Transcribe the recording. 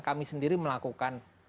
kami sendiri melakukan